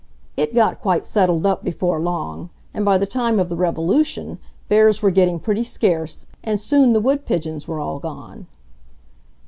It got quite settled up before long, and by the time of the Revolution, bears were getting pretty scarce, and soon the wood pigeons were all gone."